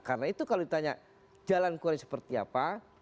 jadi itu kalau ditanya jalan kurangnya seperti apa